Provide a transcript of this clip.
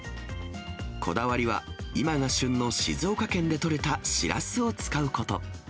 こだわりは今が旬の静岡県で取れたシラスを使うこと。